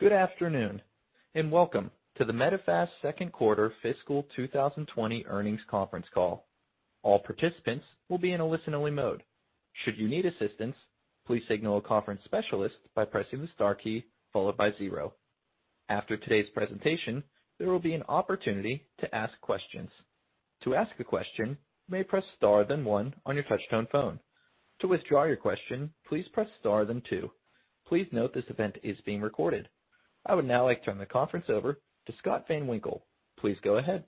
Good afternoon, and welcome to the Medifast Second Quarter Fiscal 2020 Earnings Conference Call. All participants will be in a listen-only mode. Should you need assistance, please signal a conference specialist by pressing the star key followed by zero. After today's presentation, there will be an opportunity to ask questions. To ask a question, you may press * then 1 on your touch-tone phone. To withdraw your question, please press * then 2. Please note this event is being recorded. I would now like to turn the conference over to Scott Van Winkle. Please go ahead.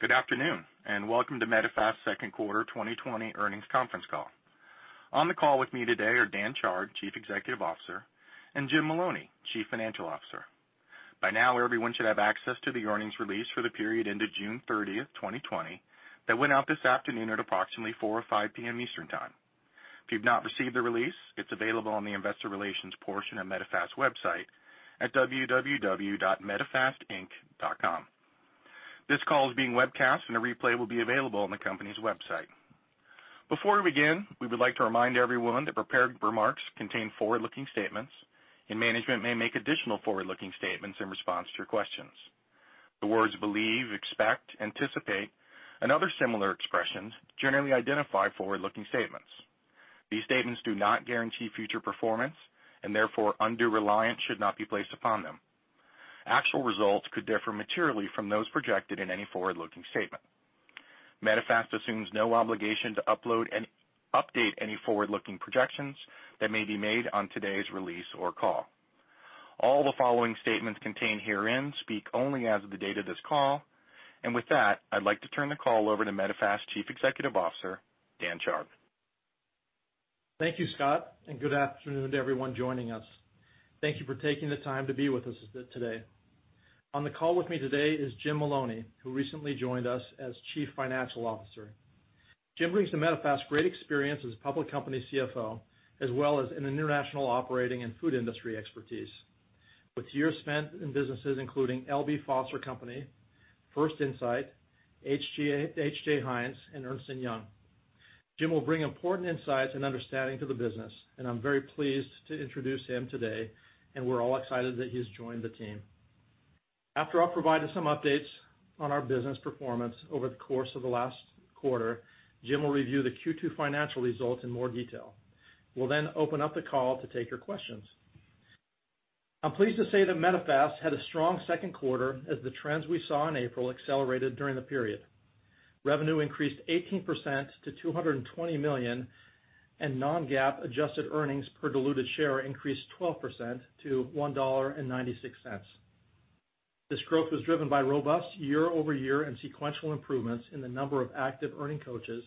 Good afternoon, and welcome to Medifast Second Quarter 2020 Earnings Conference Call. On the call with me today are Dan Chard, Chief Executive Officer, and Jim Maloney, Chief Financial Officer. By now, everyone should have access to the earnings release for the period ended June 30, 2020, that went out this afternoon at approximately 4:05 P.M. Eastern Time. If you've not received the release, it's available on the Investor Relations portion of Medifast's website at www.medifastinc.com. This call is being webcast, and a replay will be available on the company's website. Before we begin, we would like to remind everyone that prepared remarks contain forward-looking statements, and management may make additional forward-looking statements in response to your questions. The words believe, expect, anticipate, and other similar expressions generally identify forward-looking statements. These statements do not guarantee future performance, and therefore, undue reliance should not be placed upon them. Actual results could differ materially from those projected in any forward-looking statement. Medifast assumes no obligation to update any forward-looking projections that may be made on today's release or call. All the following statements contained herein speak only as of the date of this call, and with that, I'd like to turn the call over to Medifast Chief Executive Officer, Dan Chard. Thank you, Scott, and good afternoon to everyone joining us. Thank you for taking the time to be with us today. On the call with me today is Jim Maloney, who recently joined us as Chief Financial Officer. Jim brings to Medifast great experience as a public company CFO, as well as international operating and food industry expertise. With years spent in businesses including L.B. Foster Company, First Insight, H.J. Heinz, and Ernst & Young, Jim will bring important insights and understanding to the business, and I'm very pleased to introduce him today, and we're all excited that he's joined the team. After I've provided some updates on our business performance over the course of the last quarter, Jim will review the Q2 financial results in more detail. We'll then open up the call to take your questions. I'm pleased to say that Medifast had a strong second quarter as the trends we saw in April accelerated during the period. Revenue increased 18% to $220 million, and Non-GAAP adjusted earnings per diluted share increased 12% to $1.96. This growth was driven by robust year-over-year and sequential improvements in the number of active earning coaches,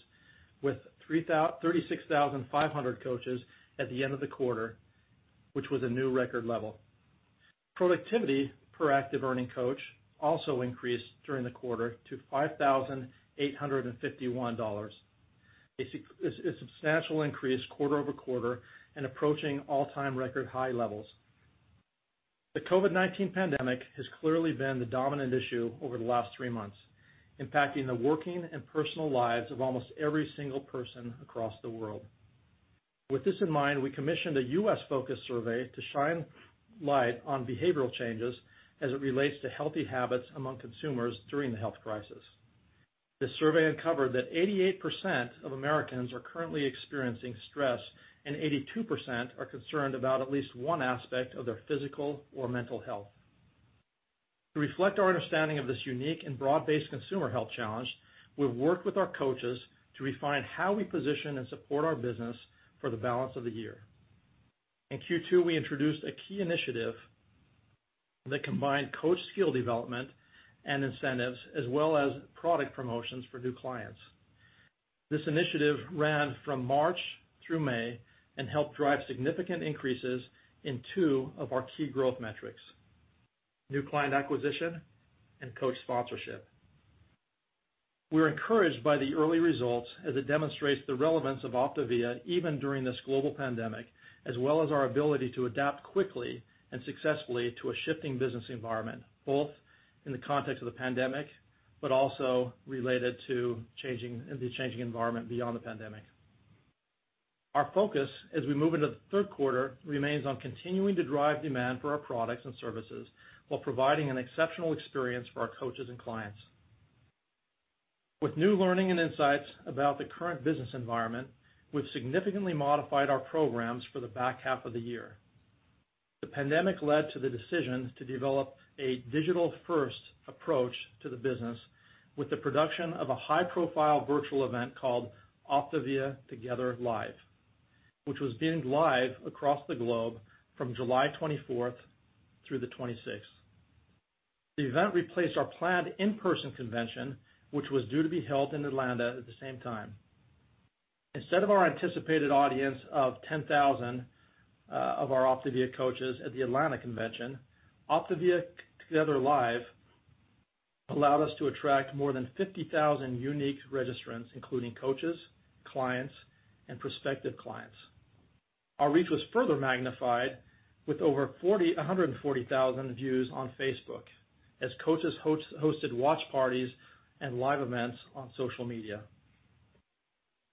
with 36,500 coaches at the end of the quarter, which was a new record level. Productivity per active earning coach also increased during the quarter to $5,851, a substantial increase quarter over quarter and approaching all-time record high levels. The COVID-19 pandemic has clearly been the dominant issue over the last three months, impacting the working and personal lives of almost every single person across the world. With this in mind, we commissioned a U.S.-focused survey to shine light on behavioral changes as it relates to healthy habits among consumers during the health crisis. The survey uncovered that 88% of Americans are currently experiencing stress, and 82% are concerned about at least one aspect of their physical or mental health. To reflect our understanding of this unique and broad-based consumer health challenge, we've worked with our coaches to refine how we position and support our business for the balance of the year. In Q2, we introduced a key initiative that combined coach skill development and incentives, as well as product promotions for new clients. This initiative ran from March through May and helped drive significant increases in two of our key growth metrics: new client acquisition and coach sponsorship. We're encouraged by the early results, as it demonstrates the relevance of OPTAVIA even during this global pandemic, as well as our ability to adapt quickly and successfully to a shifting business environment, both in the context of the pandemic, but also related to the changing environment beyond the pandemic. Our focus, as we move into the third quarter, remains on continuing to drive demand for our products and services while providing an exceptional experience for our coaches and clients. With new learning and insights about the current business environment, we've significantly modified our programs for the back half of the year. The pandemic led to the decision to develop a digital-first approach to the business, with the production of a high-profile virtual event called OPTAVIA Together Live, which was being live across the globe from July 24th through the 26th. The event replaced our planned in-person convention, which was due to be held in Atlanta at the same time. Instead of our anticipated audience of 10,000 of our OPTAVIA coaches at the Atlanta convention, OPTAVIA Together Live allowed us to attract more than 50,000 unique registrants, including coaches, clients, and prospective clients. Our reach was further magnified with over 140,000 views on Facebook, as coaches hosted watch parties and live events on social media.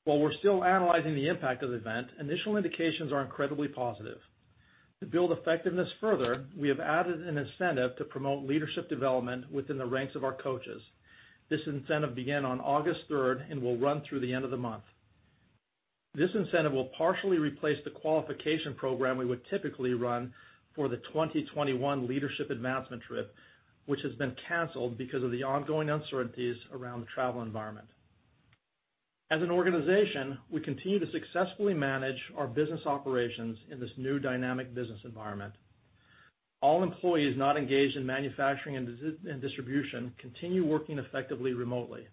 While we're still analyzing the impact of the event, initial indications are incredibly positive. To build effectiveness further, we have added an incentive to promote leadership development within the ranks of our coaches. This incentive began on August 3rd and will run through the end of the month. This incentive will partially replace the qualification program we would typically run for the 2021 Leadership Advancement Trip, which has been canceled because of the ongoing uncertainties around the travel environment. As an organization, we continue to successfully manage our business operations in this new dynamic business environment. All employees not engaged in manufacturing and distribution continue working effectively remotely.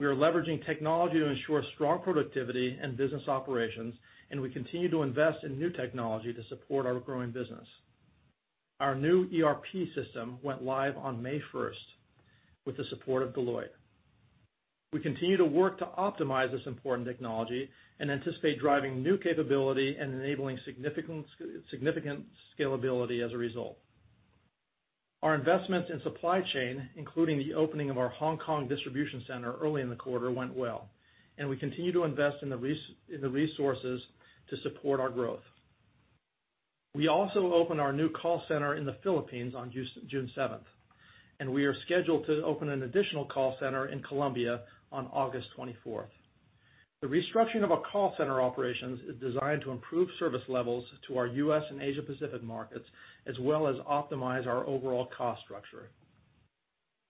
We are leveraging technology to ensure strong productivity and business operations, and we continue to invest in new technology to support our growing business. Our new ERP system went live on May 1st with the support of Deloitte. We continue to work to optimize this important technology and anticipate driving new capability and enabling significant scalability as a result. Our investments in supply chain, including the opening of our Hong Kong distribution center early in the quarter, went well, and we continue to invest in the resources to support our growth. We also opened our new call center in the Philippines on June 7th, and we are scheduled to open an additional call center in Colombia on August 24th. The restructuring of our call center operations is designed to improve service levels to our U.S. and Asia-Pacific markets, as well as optimize our overall cost structure.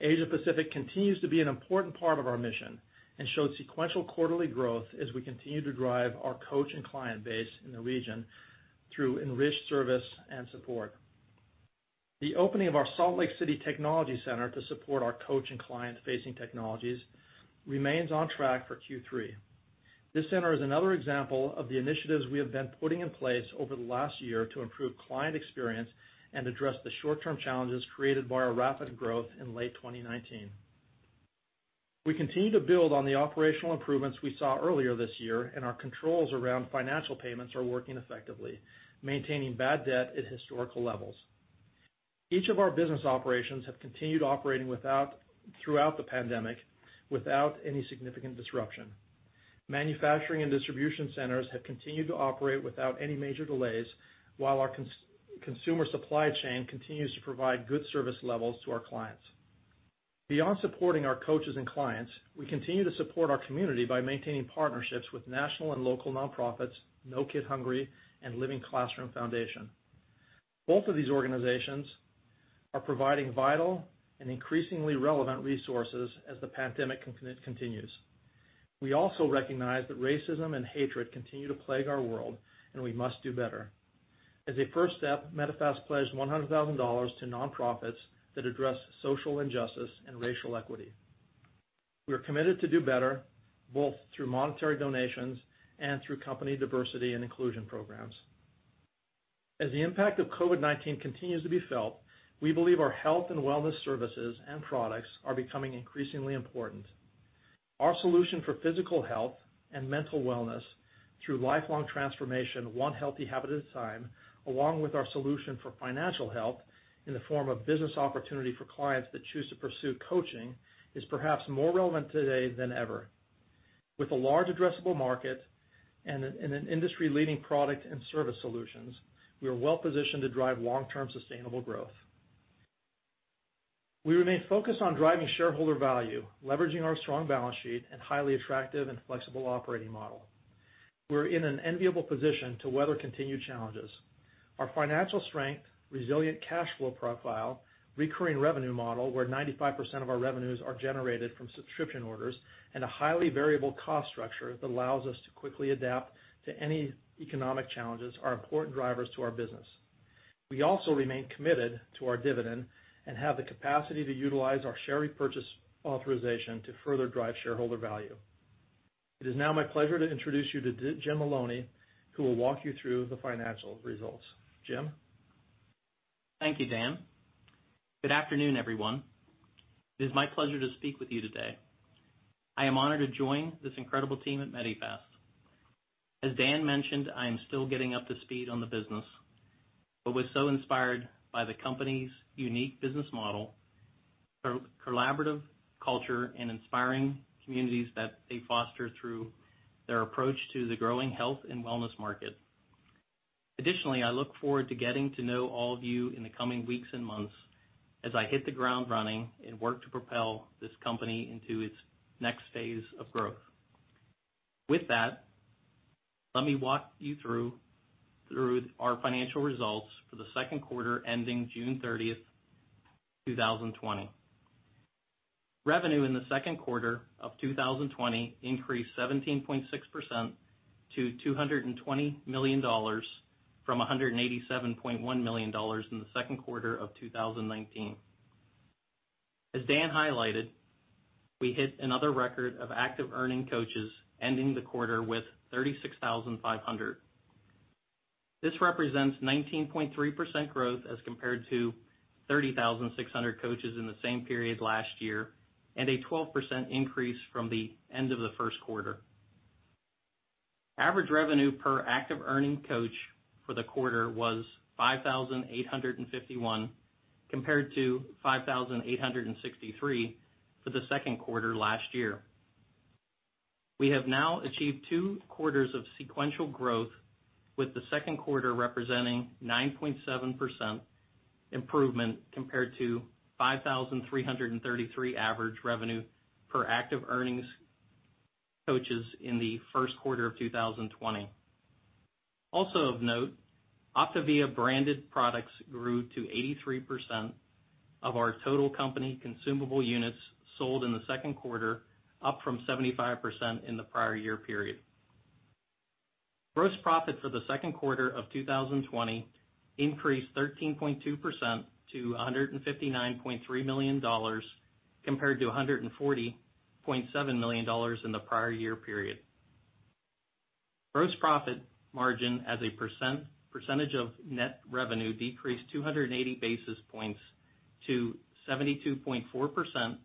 Asia-Pacific continues to be an important part of our mission and showed sequential quarterly growth as we continue to drive our coach and client base in the region through enriched service and support. The opening of our Salt Lake City Technology Center to support our coach and client-facing technologies remains on track for Q3. This center is another example of the initiatives we have been putting in place over the last year to improve client experience and address the short-term challenges created by our rapid growth in late 2019. We continue to build on the operational improvements we saw earlier this year, and our controls around financial payments are working effectively, maintaining bad debt at historical levels. Each of our business operations has continued operating throughout the pandemic without any significant disruption. Manufacturing and distribution centers have continued to operate without any major delays, while our consumer supply chain continues to provide good service levels to our clients. Beyond supporting our coaches and clients, we continue to support our community by maintaining partnerships with national and local nonprofits, No Kid Hungry, and Living Classrooms Foundation. Both of these organizations are providing vital and increasingly relevant resources as the pandemic continues. We also recognize that racism and hatred continue to plague our world, and we must do better. As a first step, Medifast pledged $100,000 to nonprofits that address social injustice and racial equity. We are committed to do better, both through monetary donations and through company diversity and inclusion programs. As the impact of COVID-19 continues to be felt, we believe our health and wellness services and products are becoming increasingly important. Our solution for physical health and mental wellness through lifelong transformation, one healthy habit at a time, along with our solution for financial health in the form of business opportunity for clients that choose to pursue coaching, is perhaps more relevant today than ever. With a large addressable market and industry-leading product and service solutions, we are well-positioned to drive long-term sustainable growth. We remain focused on driving shareholder value, leveraging our strong balance sheet and highly attractive and flexible operating model. We're in an enviable position to weather continued challenges. Our financial strength, resilient cash flow profile, recurring revenue model where 95% of our revenues are generated from subscription orders, and a highly variable cost structure that allows us to quickly adapt to any economic challenges are important drivers to our business. We also remain committed to our dividend and have the capacity to utilize our share repurchase authorization to further drive shareholder value. It is now my pleasure to introduce you to Jim Maloney, who will walk you through the financial results. Jim. Thank you, Dan. Good afternoon, everyone. It is my pleasure to speak with you today. I am honored to join this incredible team at Medifast. As Dan mentioned, I am still getting up to speed on the business, but was so inspired by the company's unique business model, collaborative culture, and inspiring communities that they foster through their approach to the growing health and wellness market. Additionally, I look forward to getting to know all of you in the coming weeks and months as I hit the ground running and work to propel this company into its next phase of growth. With that, let me walk you through our financial results for the second quarter ending June 30th, 2020. Revenue in the second quarter of 2020 increased 17.6% to $220 million from $187.1 million in the second quarter of 2019. As Dan highlighted, we hit another record of active earning coaches ending the quarter with 36,500. This represents 19.3% growth as compared to 30,600 coaches in the same period last year and a 12% increase from the end of the first quarter. Average revenue per active earning coach for the quarter was $5,851 compared to $5,863 for the second quarter last year. We have now achieved two quarters of sequential growth, with the second quarter representing 9.7% improvement compared to $5,333 average revenue per active earning coaches in the first quarter of 2020. Also of note, Optavia branded products grew to 83% of our total company consumable units sold in the second quarter, up from 75% in the prior year period. Gross profit for the second quarter of 2020 increased 13.2% to $159.3 million compared to $140.7 million in the prior year period. Gross profit margin as a percentage of net revenue decreased 280 basis points to 72.4%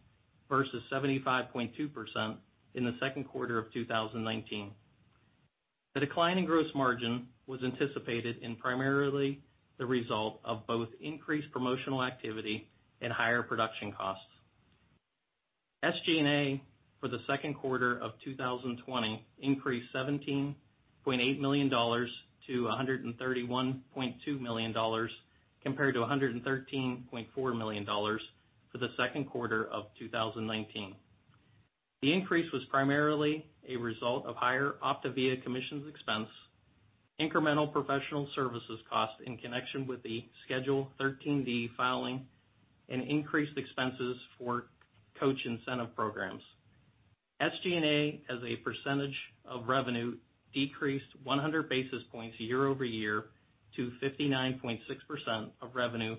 versus 75.2% in the second quarter of 2019. The decline in gross margin was anticipated and primarily the result of both increased promotional activity and higher production costs. SG&A for the second quarter of 2020 increased $17.8 million to $131.2 million compared to $113.4 million for the second quarter of 2019. The increase was primarily a result of higher Optavia commissions expense, incremental professional services costs in connection with the Schedule 13D filing, and increased expenses for coach incentive programs. SG&A as a percentage of revenue decreased 100 basis points year over year to 59.6% of revenue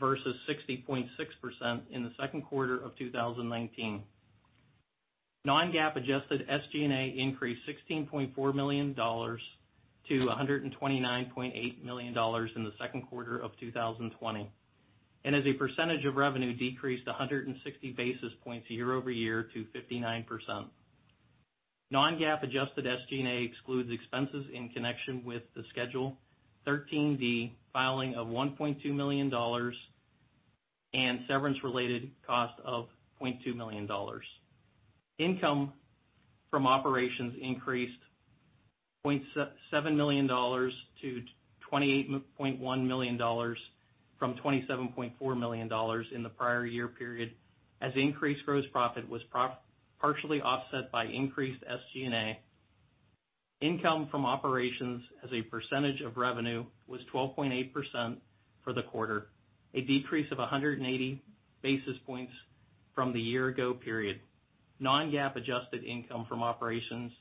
versus 60.6% in the second quarter of 2019. Non-GAAP adjusted SG&A increased $16.4 million to $129.8 million in the second quarter of 2020, and as a percentage of revenue decreased 160 basis points year over year to 59%. Non-GAAP adjusted SG&A excludes expenses in connection with the Schedule 13D filing of $1.2 million and severance-related cost of $0.2 million. Income from operations increased $0.7 million to $28.1 million from $27.4 million in the prior year period, as increased gross profit was partially offset by increased SG&A. Income from operations as a percentage of revenue was 12.8% for the quarter, a decrease of 180 basis points from the year-ago period. Non-GAAP adjusted income from operations,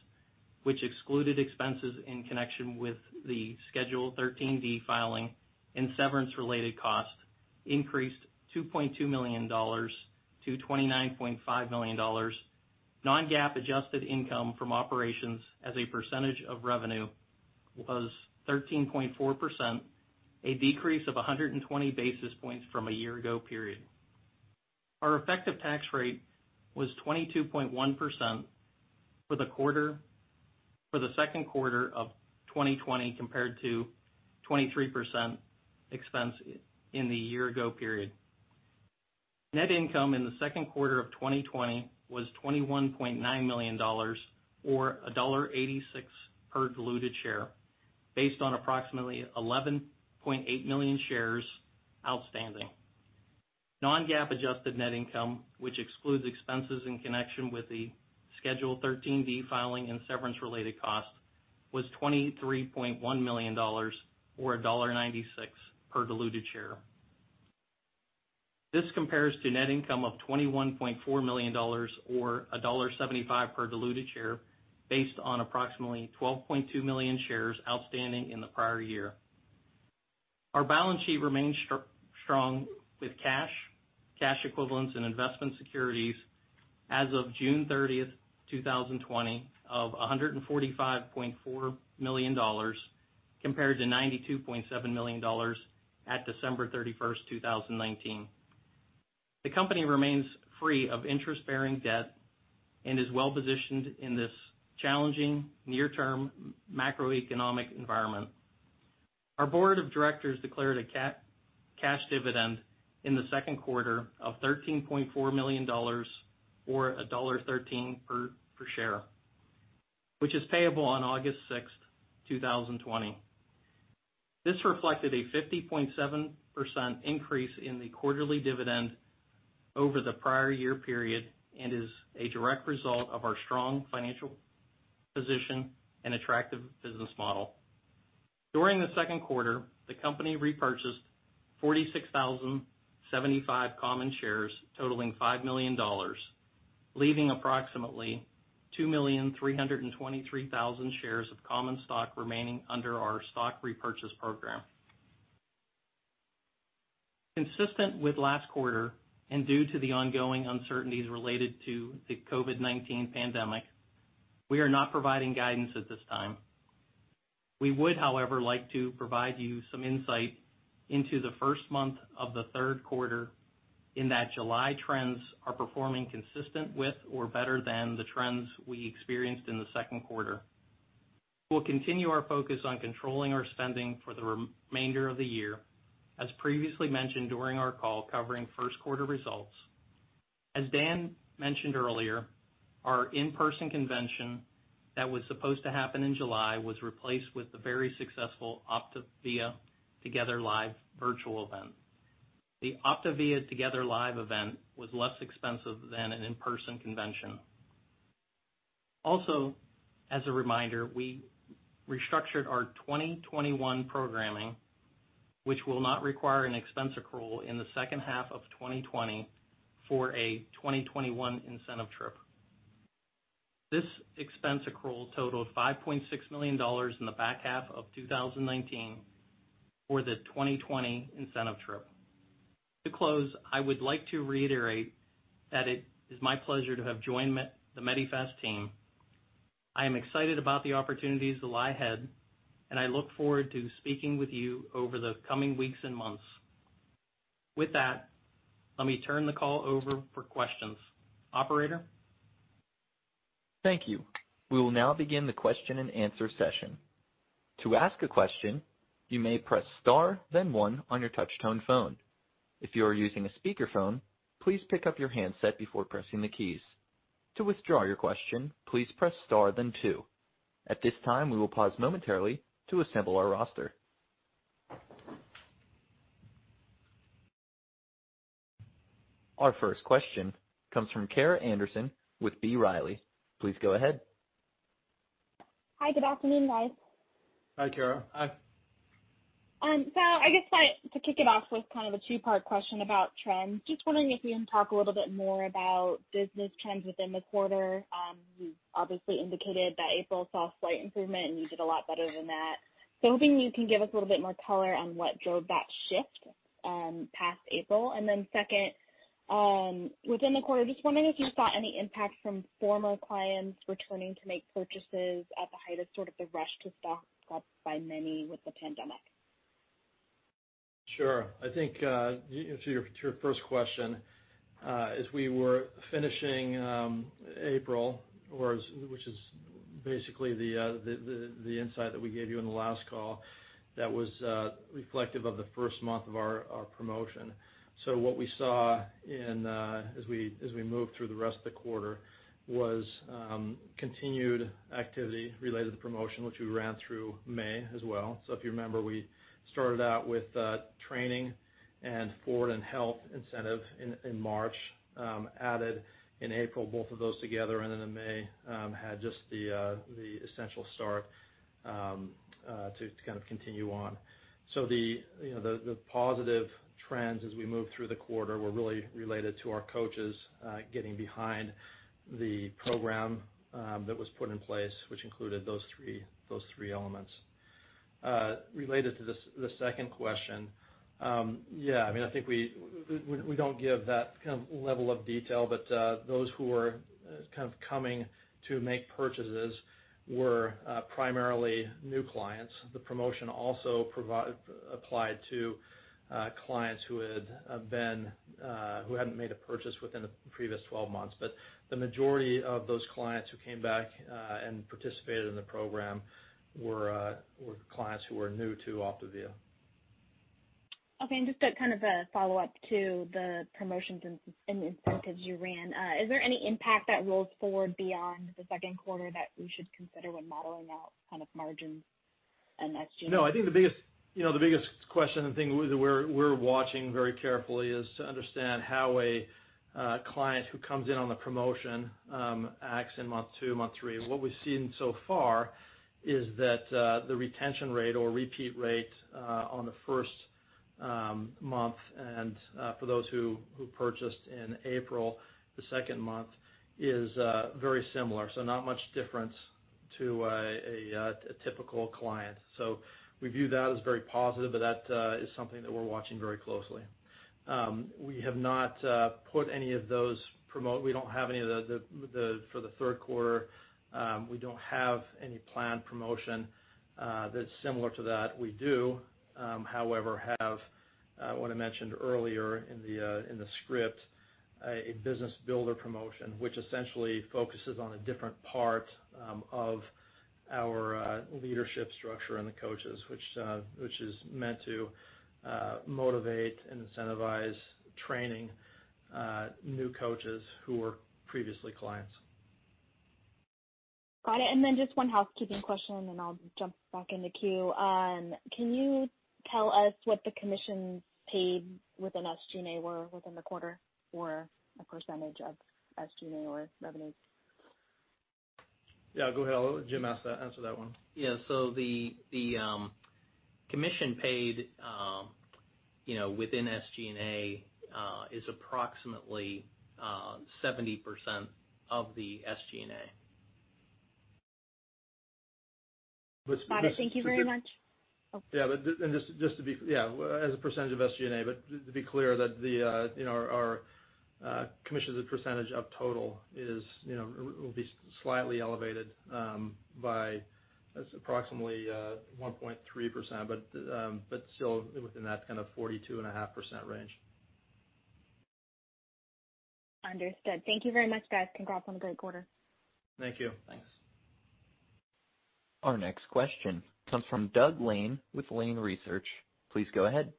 which excluded expenses in connection with the Schedule 13D filing and severance-related cost, increased $2.2 million to $29.5 million. Non-GAAP adjusted income from operations as a percentage of revenue was 13.4%, a decrease of 120 basis points from a year-ago period. Our effective tax rate was 22.1% for the second quarter of 2020 compared to 23% expense in the year-ago period. Net income in the second quarter of 2020 was $21.9 million, or $1.86 per diluted share, based on approximately 11.8 million shares outstanding. Non-GAAP adjusted net income, which excludes expenses in connection with the Schedule 13D filing and severance-related cost, was $23.1 million, or $1.96 per diluted share. This compares to net income of $21.4 million, or $1.75 per diluted share, based on approximately 12.2 million shares outstanding in the prior year. Our balance sheet remains strong with cash, cash equivalents, and investment securities as of June 30th, 2020, of $145.4 million compared to $92.7 million at December 31st, 2019. The company remains free of interest-bearing debt and is well-positioned in this challenging near-term macroeconomic environment. Our board of directors declared a cash dividend in the second quarter of $13.4 million, or $1.13 per share, which is payable on August 6th, 2020. This reflected a 50.7% increase in the quarterly dividend over the prior year period and is a direct result of our strong financial position and attractive business model. During the second quarter, the company repurchased 46,075 common shares totaling $5 million, leaving approximately 2,323,000 shares of common stock remaining under our stock repurchase program. Consistent with last quarter and due to the ongoing uncertainties related to the COVID-19 pandemic, we are not providing guidance at this time. We would, however, like to provide you some insight into the first month of the third quarter in that July trends are performing consistent with or better than the trends we experienced in the second quarter. We'll continue our focus on controlling our spending for the remainder of the year, as previously mentioned during our call covering first quarter results. As Dan mentioned earlier, our in-person convention that was supposed to happen in July was replaced with the very successful Optavia Together Live virtual event. The Optavia Together Live event was less expensive than an in-person convention. Also, as a reminder, we restructured our 2021 programming, which will not require an expense accrual in the second half of 2020 for a 2021 incentive trip. This expense accrual totaled $5.6 million in the back half of 2019 for the 2020 incentive trip. To close, I would like to reiterate that it is my pleasure to have joined the Medifast team. I am excited about the opportunities that lie ahead, and I look forward to speaking with you over the coming weeks and months. With that, let me turn the call over for questions. Operator? Thank you. We will now begin the question and answer session. To ask a question, you may press * then 1 on your touch-tone phone. If you are using a speakerphone, please pick up your handset before pressing the keys. To withdraw your question, please press * then 2. At this time, we will pause momentarily to assemble our roster. Our first question comes from Kara Anderson with B. Riley. Please go ahead. Hi, good afternoon, guys. Hi, Kara. Hi. So I guess to kick it off with kind of a two-part question about trends, just wondering if you can talk a little bit more about business trends within the quarter. You obviously indicated that April saw slight improvement, and you did a lot better than that. So hoping you can give us a little bit more color on what drove that shift past April. And then second, within the quarter, just wondering if you saw any impact from former clients returning to make purchases at the height of sort of the rush to stock by many with the pandemic. Sure. I think to your first question, as we were finishing April, which is basically the insight that we gave you in the last call, that was reflective of the first month of our promotion. So what we saw as we moved through the rest of the quarter was continued activity related to the promotion, which we ran through May as well. So if you remember, we started out with training and fueling and health incentive in March, added in April both of those together, and then in May had just the Essential Start to kind of continue on. So the positive trends as we moved through the quarter were really related to our coaches getting behind the program that was put in place, which included those three elements. Related to the second question, yeah, I mean, I think we don't give that kind of level of detail, but those who were kind of coming to make purchases were primarily new clients. The promotion also applied to clients who hadn't made a purchase within the previous 12 months. But the majority of those clients who came back and participated in the program were clients who were new to OPTAVIA. Okay. And just to kind of follow up to the promotions and incentives you ran, is there any impact that rolls forward beyond the second quarter that we should consider when modeling out kind of margins and SG&A? No, I think the biggest question and thing that we're watching very carefully is to understand how a client who comes in on the promotion acts in month two, month three. What we've seen so far is that the retention rate or repeat rate on the first month, and for those who purchased in April, the second month is very similar, so not much difference to a typical client. So we view that as very positive, but that is something that we're watching very closely. We have not put any of those promotions. We don't have any of them for the third quarter. We don't have any planned promotion that's similar to that. We do, however, have what I mentioned earlier in the script, a business builder promotion, which essentially focuses on a different part of our leadership structure and the coaches, which is meant to motivate and incentivize training new coaches who were previously clients. Got it. And then just one housekeeping question, and then I'll jump back in the queue. Can you tell us what the commissions paid within SG&A were within the quarter or a percentage of SG&A or revenue? Yeah, go ahead. I'll let Jim answer that one. Yeah. So the commission paid within SG&A is approximately 70% of the SG&A. Thank you very much. Yeah. And just to be clear, yeah, as a percentage of SG&A, but to be clear that our commission as a percentage of total will be slightly elevated by approximately 1.3%, but still within that kind of 42.5% range. Understood. Thank you very much, guys. Congrats on a great quarter. Thank you. Thanks. Our next question comes from Doug Lane with Lane Research. Please go ahead.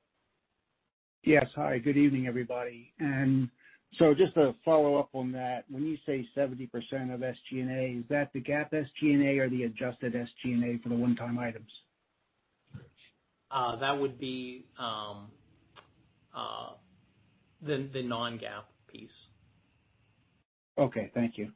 Yes. Hi, good evening, everybody. And so just to follow up on that, when you say 70% of SG&A, is that the GAAP SG&A or the adjusted SG&A for the one-time items? That would be the Non-GAAP piece. Okay. Thank you.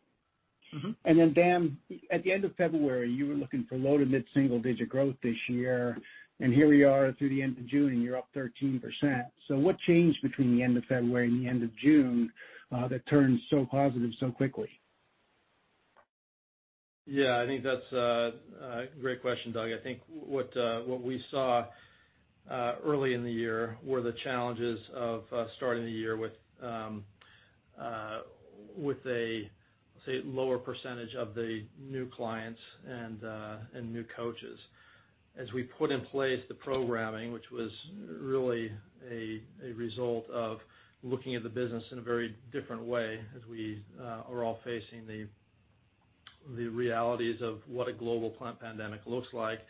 And then, Dan, at the end of February, you were looking for low- to mid-single-digit growth this year. And here we are through the end of June, and you're up 13%. So what changed between the end of February and the end of June that turned so positive so quickly? Yeah, I think that's a great question, Doug. I think what we saw early in the year were the challenges of starting the year with a, say, lower percentage of the new clients and new coaches. As we put in place the programming, which was really a result of looking at the business in a very different way as we are all facing the realities of what a global pandemic looks like,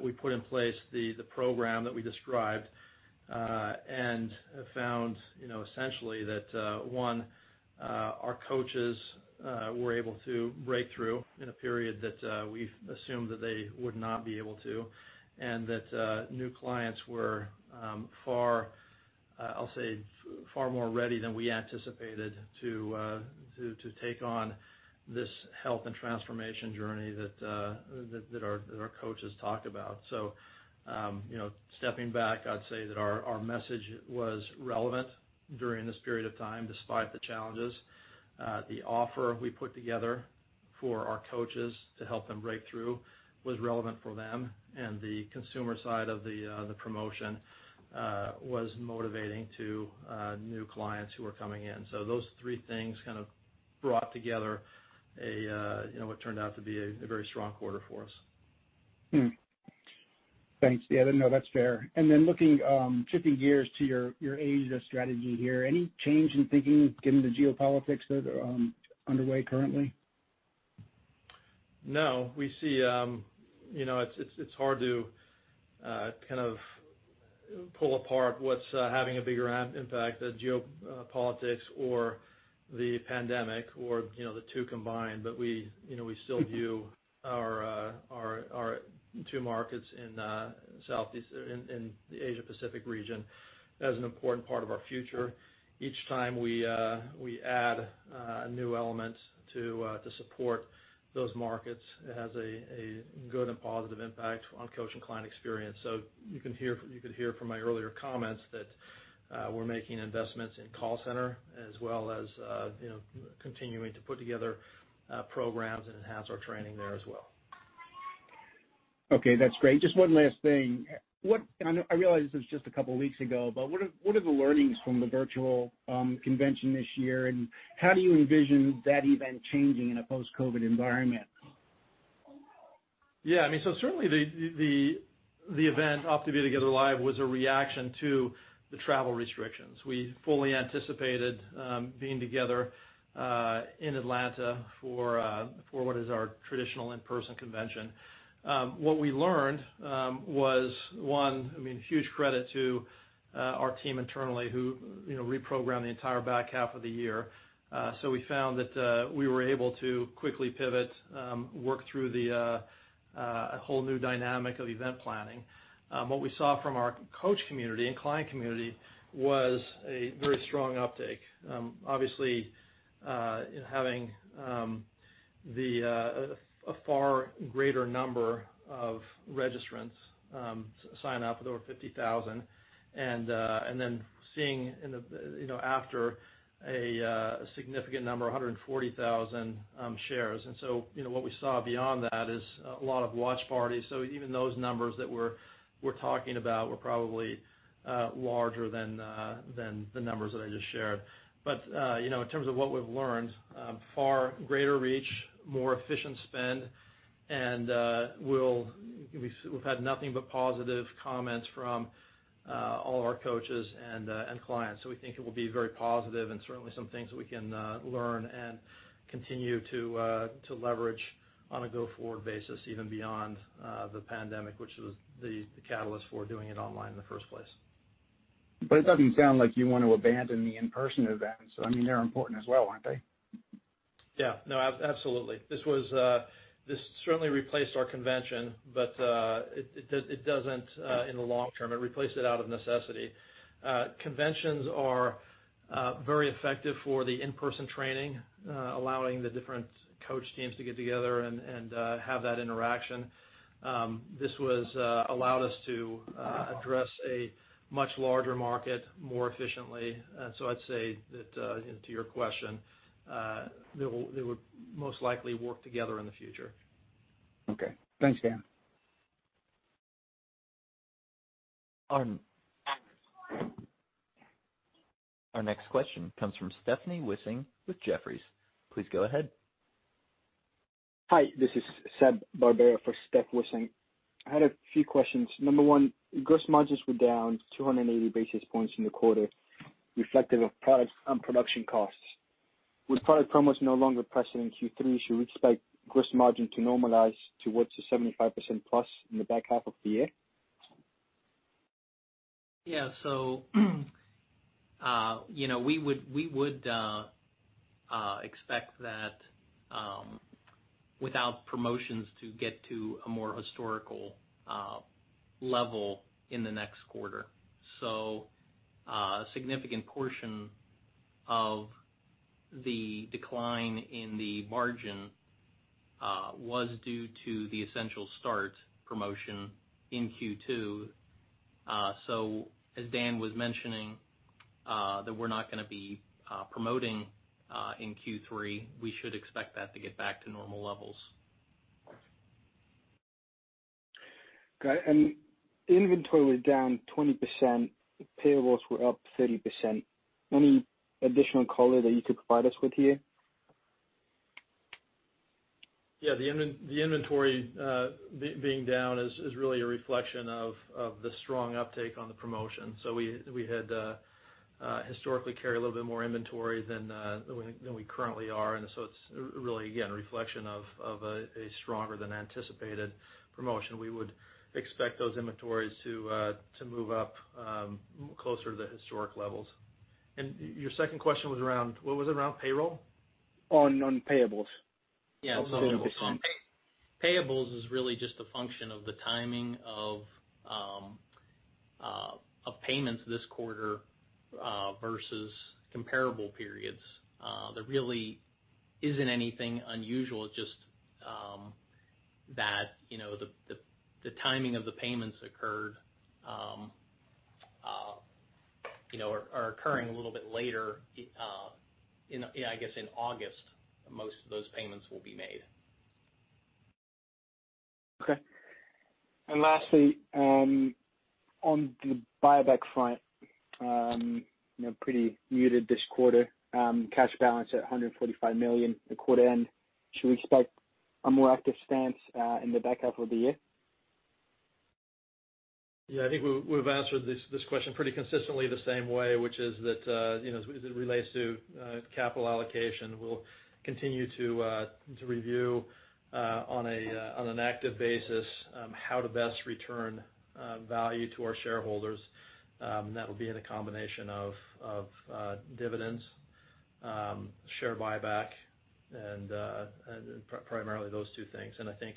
we put in place the program that we described and found essentially that, one, our coaches were able to break through in a period that we assumed that they would not be able to, and that new clients were, I'll say, far more ready than we anticipated to take on this health and transformation journey that our coaches talked about. So stepping back, I'd say that our message was relevant during this period of time despite the challenges. The offer we put together for our coaches to help them break through was relevant for them, and the consumer side of the promotion was motivating to new clients who were coming in. So those three things kind of brought together what turned out to be a very strong quarter for us. Thanks. Yeah, no, that's fair. And then shifting gears to your Asia strategy here, any change in thinking given the geopolitics that are underway currently? No. We see it's hard to kind of pull apart what's having a bigger impact, the geopolitics or the pandemic or the two combined, but we still view our two markets in the Asia-Pacific region as an important part of our future. Each time we add a new element to support those markets, it has a good and positive impact on coach and client experience. So you can hear from my earlier comments that we're making investments in call center as well as continuing to put together programs and enhance our training there as well. Okay. That's great. Just one last thing. I realize this was just a couple of weeks ago, but what are the learnings from the virtual convention this year, and how do you envision that event changing in a post-COVID environment? Yeah. I mean, so certainly the event, OPTAVIA Together Live, was a reaction to the travel restrictions. We fully anticipated being together in Atlanta for what is our traditional in-person convention. What we learned was, one, I mean, huge credit to our team internally who reprogrammed the entire back half of the year. So we found that we were able to quickly pivot, work through a whole new dynamic of event planning. What we saw from our coach community and client community was a very strong uptake. Obviously, having a far greater number of registrants sign up, there were 50,000, and then seeing after a significant number, 140,000 shares. And so what we saw beyond that is a lot of watch parties. So even those numbers that we're talking about were probably larger than the numbers that I just shared. But in terms of what we've learned, far greater reach, more efficient spend, and we've had nothing but positive comments from all our coaches and clients. So we think it will be very positive and certainly some things that we can learn and continue to leverage on a go-forward basis even beyond the pandemic, which was the catalyst for doing it online in the first place. But it doesn't sound like you want to abandon the in-person events. I mean, they're important as well, aren't they? Yeah. No, absolutely. This certainly replaced our convention, but it doesn't in the long term. It replaced it out of necessity. Conventions are very effective for the in-person training, allowing the different coach teams to get together and have that interaction. This allowed us to address a much larger market more efficiently, and so I'd say that to your question, they would most likely work together in the future. Okay. Thanks, Dan. Our next question comes from Stephanie Wissink with Jefferies. Please go ahead. Hi. This is Seb Barbera for Stephanie Wissing. I had a few questions. Number one, gross margins were down 280 basis points in the quarter, reflective of products and production costs. With product promos no longer pressing in Q3, should we expect gross margin to normalize towards the 75% plus in the back half of the year? Yeah. So we would expect that, without promotions, to get to a more historical level in the next quarter. So a significant portion of the decline in the margin was due to the Essential Start promotion in Q2. So as Dan was mentioning, that we're not going to be promoting in Q3, we should expect that to get back to normal levels. Got it. And inventory was down 20%. Payables were up 30%. Any additional colors that you could provide us with here? Yeah. The inventory being down is really a reflection of the strong uptake on the promotion. So we had historically carried a little bit more inventory than we currently are. And so it's really, again, a reflection of a stronger than anticipated promotion. We would expect those inventories to move up closer to the historic levels. And your second question was around what was it around payroll? On payables. Yeah. Payables is really just a function of the timing of payments this quarter versus comparable periods. There really isn't anything unusual. It's just that the timing of the payments are occurring a little bit later. Yeah, I guess in August, most of those payments will be made. Okay. And lastly, on the buyback front, pretty muted this quarter. Cash balance at $145 million at quarter end. Should we expect a more active stance in the back half of the year? Yeah. I think we've answered this question pretty consistently the same way, which is that as it relates to capital allocation, we'll continue to review on an active basis how to best return value to our shareholders. And that'll be in a combination of dividends, share buyback, and primarily those two things. And I think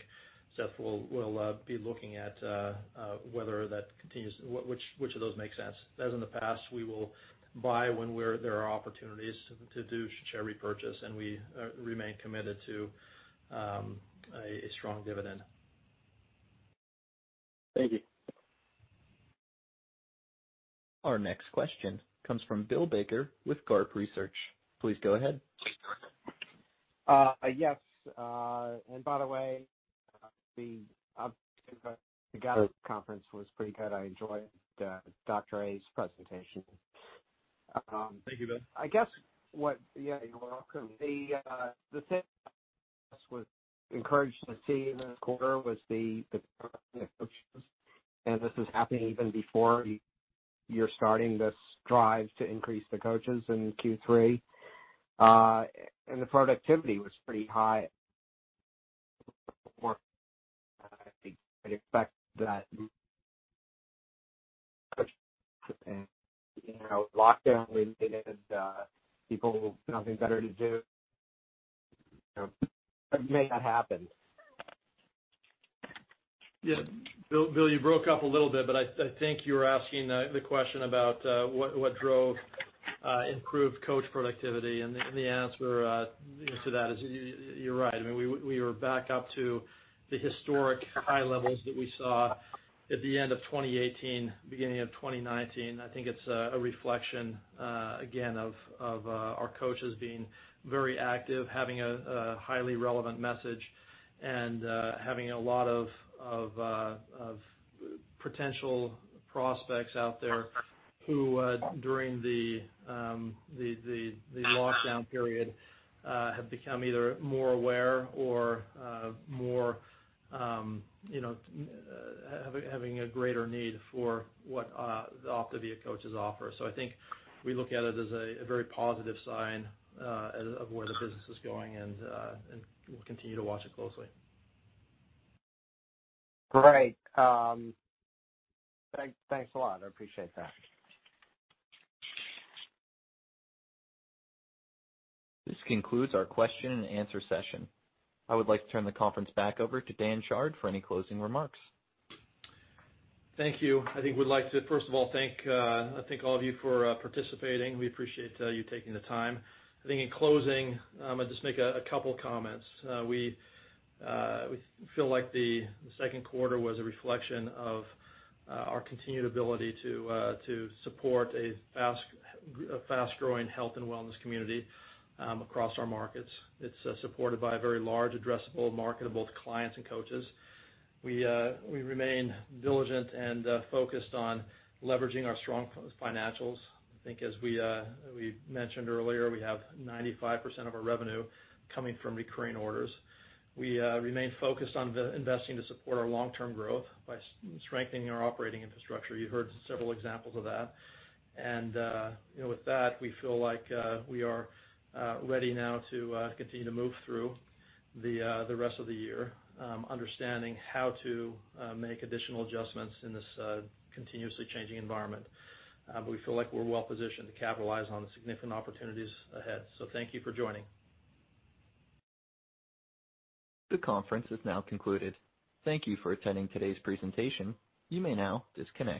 Steph will be looking at whether that continues, which of those makes sense. As in the past, we will buy when there are opportunities to do share repurchase, and we remain committed to a strong dividend. Thank you. Our next question comes from Bill Baker with GARP Research. Please go ahead. Yes, and by the way, the GARP conference was pretty good. I enjoyed Dr. A's presentation. Thank you, Bill. I guess what the thing that encouraged the team this quarter was the productivity of coaches. And this is happening even before you're starting this drive to increase the coaches in Q3. And the productivity was pretty high. I expect that lockdown people have nothing better to do. It may not happen. Yeah. Bill, you broke up a little bit, but I think you were asking the question about what drove improved coach productivity. And the answer to that is you're right. I mean, we were back up to the historic high levels that we saw at the end of 2018, beginning of 2019. I think it's a reflection, again, of our coaches being very active, having a highly relevant message, and having a lot of potential prospects out there who, during the lockdown period, have become either more aware or having a greater need for what the Optavia coaches offer. So I think we look at it as a very positive sign of where the business is going, and we'll continue to watch it closely. Great. Thanks a lot. I appreciate that. This concludes our question-and-answer session. I would like to turn the conference back over to Dan Chard for any closing remarks. Thank you. I think we'd like to, first of all, thank all of you for participating. We appreciate you taking the time. I think in closing, I'll just make a couple of comments. We feel like the second quarter was a reflection of our continued ability to support a fast-growing health and wellness community across our markets. It's supported by a very large, addressable market of both clients and coaches. We remain diligent and focused on leveraging our strong financials. I think as we mentioned earlier, we have 95% of our revenue coming from recurring orders. We remain focused on investing to support our long-term growth by strengthening our operating infrastructure. You heard several examples of that. And with that, we feel like we are ready now to continue to move through the rest of the year, understanding how to make additional adjustments in this continuously changing environment. But we feel like we're well-positioned to capitalize on the significant opportunities ahead. So thank you for joining. The conference is now concluded. Thank you for attending today's presentation. You may now disconnect.